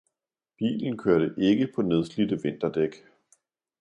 bilen kørte ikke på nedslidte vinterdæk